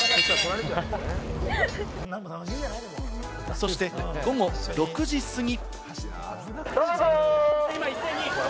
そして午後６時過ぎ。